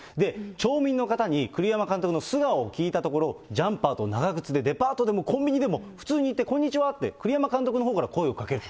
町民の方に栗山監督の素顔を聞いたところ、ジャンパーと長靴でデパートでもコンビニでも普通に行って、こんにちはって、栗山監督のほうから声をかけると。